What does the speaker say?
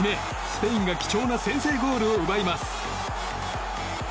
スペインが貴重な先制ゴールを奪います。